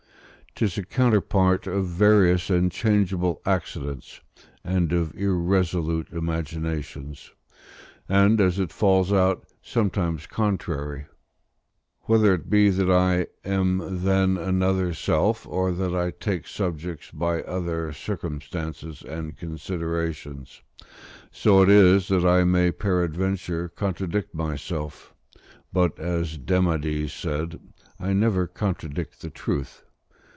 'Tis a counterpart of various and changeable accidents, and of irresolute imaginations, and, as it falls out, sometimes contrary: whether it be that I am then another self, or that I take subjects by other circumstances and considerations: so it is that I may peradventure contradict myself, but, as Demades said, I never contradict the truth.